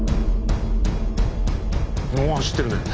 お走ってるね。